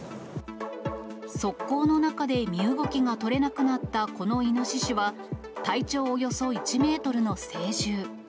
側溝の中で身動きが取れなくなったこのイノシシは、体長およそ１メートルの成獣。